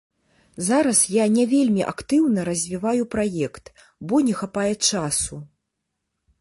Зараз я не вельмі актыўна развіваю праект, бо не хапае часу.